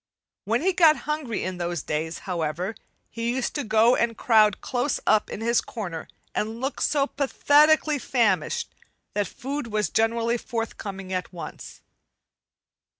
When he got hungry in those days, however, he used to go and crowd close up in his corner and look so pathetically famished that food was generally forthcoming at once.